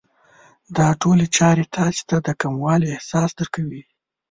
دا ټولې چارې تاسې ته د کموالي احساس درکوي.